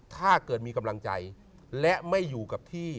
ถ้าเกิดมีกำลังใจและไม่อยู่กับที่